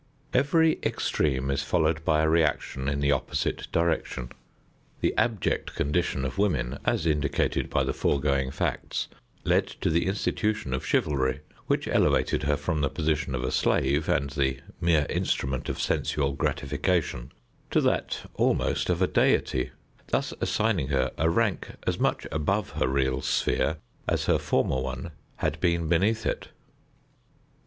Every extreme is followed by a reaction in the opposite direction. The abject condition of women, as indicated by the foregoing facts, led to the institution of chivalry, which elevated her from the position of a slave, and the mere instrument of sensual gratification, to that almost of a deity, thus assigning her a rank as much above her real sphere as her former one had been beneath it.